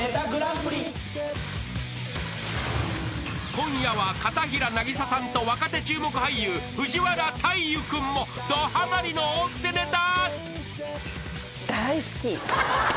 ［今夜は片平なぎささんと若手注目俳優藤原大祐君もどはまりの大クセネタ］